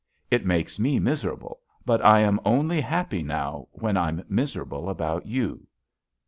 It makes me miserable, but I am only happy now when I'm miserable about you.